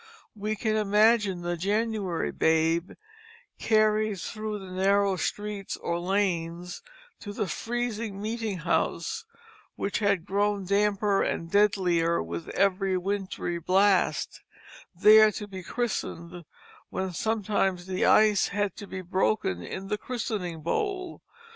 We can imagine the January babe carried through the narrow streets or lanes to the freezing meeting house, which had grown damper and deadlier with every wintry blast; there to be christened, when sometimes the ice had to be broken in the christening bowl.